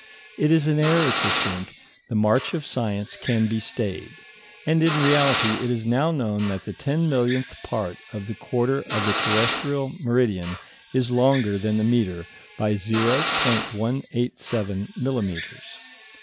It is an error to think the march of science can be stayed; and in reality it is now known that the ten millionth part of the quarter of the terrestrial meridian is longer than the metre by 0.187 millimetres.